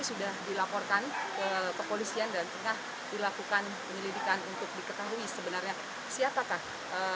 sudah dilaporkan ke kepolisian dan tengah dilakukan penyelidikan untuk diketahui sebenarnya siapakah